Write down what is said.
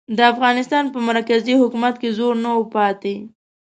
د افغانستان په مرکزي حکومت کې زور نه و پاتې.